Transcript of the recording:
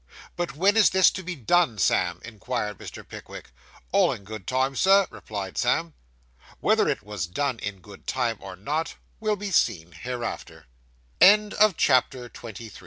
'But when is this to be done, Sam?' inquired Mr. Pickwick. 'All in good time, Sir,' replied Sam. Whether it was done in good time, or not, will be seen hereafter. CHAPTER XXIV.